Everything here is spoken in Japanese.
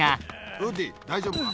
「ウッディ大丈夫か？」